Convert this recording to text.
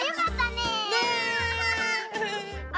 ねえ。